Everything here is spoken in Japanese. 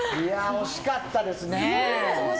惜しかったですね。